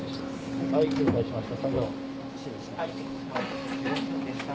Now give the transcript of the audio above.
・はい了解しました